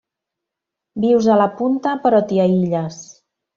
Vius a la Punta però t’hi aïlles.